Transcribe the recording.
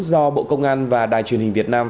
do bộ công an và đài truyền hình việt nam